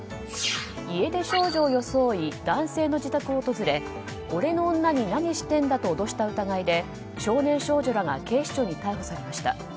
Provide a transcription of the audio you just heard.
家出少女を装い男性の自宅を訪れ俺の女に何してんだと脅した疑いで少年少女らが警視庁に逮捕されました。